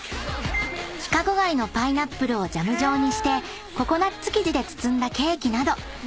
［規格外のパイナップルをジャム状にしてココナツ生地で包んだケーキなどサスティな！